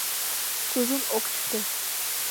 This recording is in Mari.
Кужун ок чыте.